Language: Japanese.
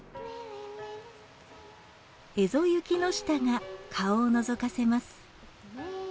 エゾユキノシタが顔をのぞかせます。